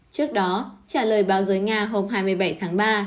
trước đó trả lời báo giới nga hôm hai mươi bảy tháng ba